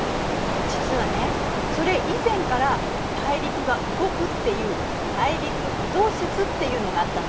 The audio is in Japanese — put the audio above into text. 実はねそれ以前から大陸が動くっていう「大陸移動説」っていうのがあったの。